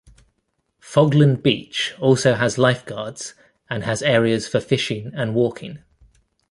Fogland Beach also has lifeguards, and has areas for fishing, and walking.